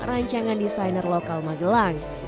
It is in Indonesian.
rancangan desainer lokal magelang